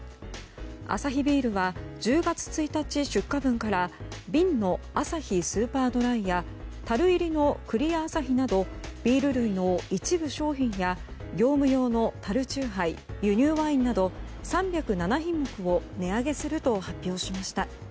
アサヒビールは１０月１日出荷分から瓶のアサヒスーパードライや樽入りのクリアアサヒなどビール類の一部商品や業務用の樽酎ハイ輸入ワインなど３０７品目を値上げすると発表しました。